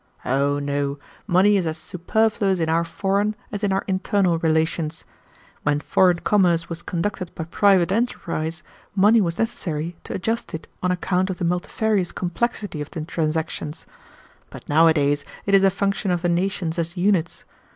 "Oh, no; money is as superfluous in our foreign as in our internal relations. When foreign commerce was conducted by private enterprise, money was necessary to adjust it on account of the multifarious complexity of the transactions; but nowadays it is a function of the nations as units.